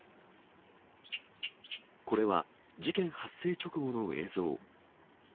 これは、事件発生直後の映像。